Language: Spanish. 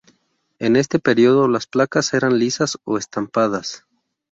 En este periodo las placas eran lisas o estampadas.